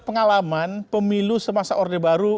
pengalaman pemilu semasa orde baru